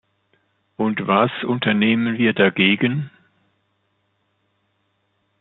Und was unternehmen wir dagegen?